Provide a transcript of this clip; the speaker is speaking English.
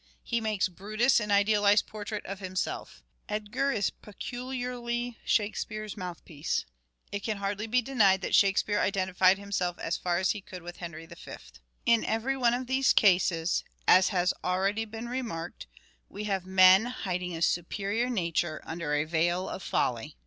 He makes " Brutus an idealized portrait of himself." " Edgar is peculiarly Shakespeare's mouthpiece." " It can hardly be denied that Shakespeare identified himself as far as he could with Henry V." In every one of these cases, as has already been remarked, we have men hiding a superior nature MANHOOD OF DE VERE : MIDDLE PERIOD 305 under a veil of folly.